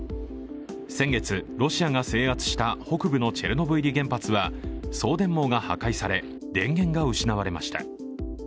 先月、ロシアが制圧した北部のチェルノブイリ原発は、送電網が破壊され電源が失われました。